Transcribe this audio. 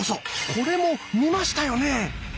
これも見ましたよね。